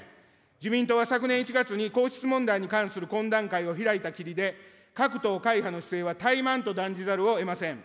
自民党は昨年１月に皇室問題に関する懇談会を開いたきりで、各党・会派の姿勢は怠慢と断じざるをえません。